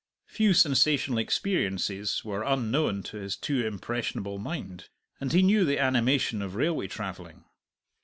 Few sensational experiences were unknown to his too impressionable mind, and he knew the animation of railway travelling.